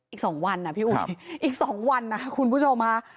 อีก๒วันนะพี่อุ๋ยอีก๒วันนะคุณผู้ชมค่ะ